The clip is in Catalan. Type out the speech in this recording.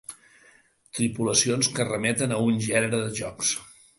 Tripulacions que remeten a un gènere de jocs.